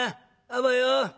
あばよ！